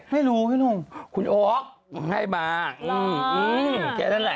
ไม่รู้นุ่งคุณออกให้มาแกนั่นแหละ